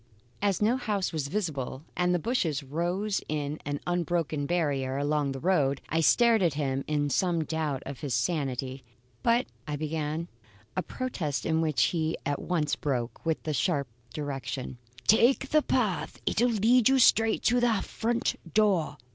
As no house was visible and the bushes rose in an unbroken barrier along the road, I stared at him in some doubt of his sanity. "But " I began; a protest into which he at once broke, with the sharp direction: "Take the path. It'll lead you straight to the front door."